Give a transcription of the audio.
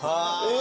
え。